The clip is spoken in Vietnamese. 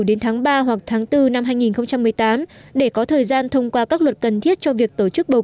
đến tháng ba hoặc tháng bốn năm hai nghìn một mươi tám để có thời gian thông qua các luật cần thiết cho việc tổ chức bầu